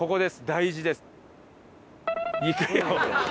大事です。